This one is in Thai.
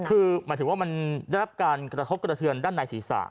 คือหมายถึงว่ามันได้รับการกระทบกระเทือนด้านในศีรษะ